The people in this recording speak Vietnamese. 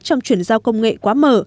trong chuyển giao công nghệ quá mở